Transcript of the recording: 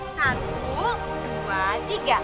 satu dua tiga